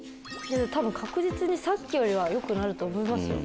確実にさっきよりは良くなると思いますよ。